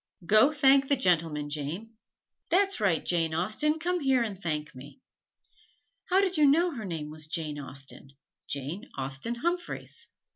"Go thank the gentleman, Jane." "That's right, Jane Austen, come here and thank me!" "How did you know her name was Jane Austen Jane Austen Humphreys?"